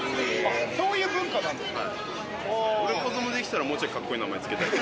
そういう文化なんですか。